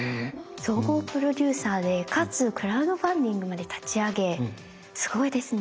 総合プロデューサーでかつクラウドファンディングまで立ち上げすごいですね。